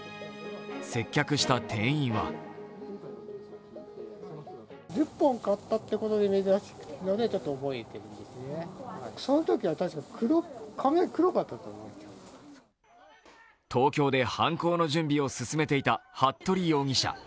接客した店員は東京で犯行の準備を進めていた服部容疑者。